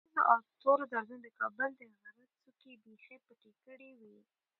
ورېځو او تورو دودونو د کابل د غره څوکې بیخي پټې کړې وې.